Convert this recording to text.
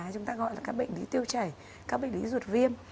chúng ta gọi là các bệnh lý tiêu chảy các bệnh lý ruột viêm